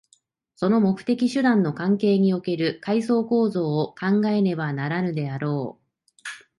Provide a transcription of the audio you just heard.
その目的・手段の関係における階層構造を考えねばならぬであろう。